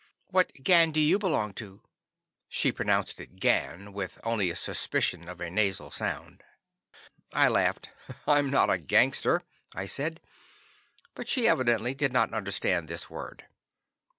What gang do you belong to?" (She pronounced it "gan," with only a suspicion of a nasal sound.) I laughed. "I'm not a gangster," I said. But she evidently did not understand this word.